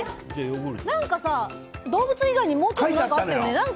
何かさ、動物以外にもうちょっとあったよね？